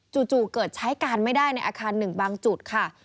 จู่เกิดใช้การไม่ได้ในอาคารหนึ่งบางจุดค่ะ